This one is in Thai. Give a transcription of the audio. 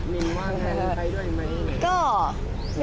มินว่าแทนใครด้วยไหม